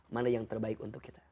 mana yang terbaik untuk kita